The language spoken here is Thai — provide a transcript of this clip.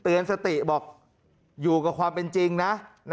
สติบอกอยู่กับความเป็นจริงนะ